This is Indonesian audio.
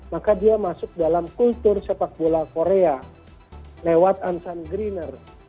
maka dia masuk dalam kultur sepak bola korea lewat ansan greener